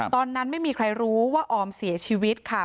ตอนนั้นไม่มีใครรู้ว่าออมเสียชีวิตค่ะ